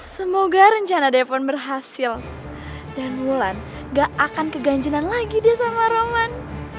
semoga rencana depon berhasil dan wulan gak akan keganjinan lagi dia sama roman